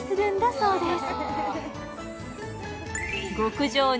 そうですね